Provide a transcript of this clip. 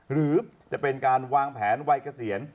หรือจะเป็นการวางแผนวัยเกษียณ